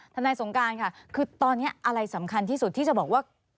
นายสงการค่ะคือตอนนี้อะไรสำคัญที่สุดที่จะบอกว่า